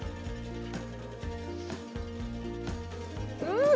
うん！